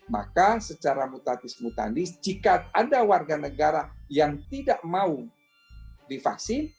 maka secara mutatis mutanis jika ada warga negara yang tidak mau divaksin